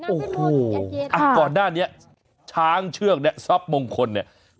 โอ้โหก่อนหน้านี้ช้างเชือกเนี่ยทรัพย์มงคลเนี่ย